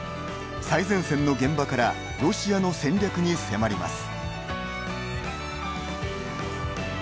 最前線の現場からロシアの戦略に迫ります。